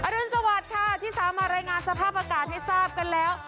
รุนสวัสดิ์ค่ะที่สามารถรายงานสภาพอากาศให้ทราบกันแล้ว